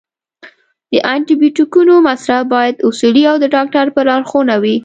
د انټي بیوټیکونو مصرف باید اصولي او د ډاکټر په لارښوونه وي.